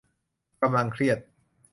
กำลังเครียด